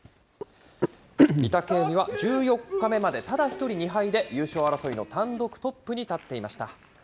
御嶽海は１４日目までただ一人、２敗で優勝争いの単独トップに立っていました。